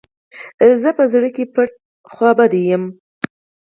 زه په زړه کي پټ خپه يم